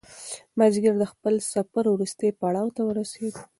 مازیګر د خپل سفر وروستي پړاو ته ورسېد.